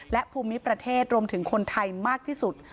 และภูมิประเทศรวมถึงคนไทยมากที่สุด